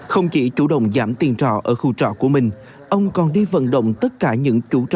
không chỉ chủ động giảm tiền trọ ở khu trọ của mình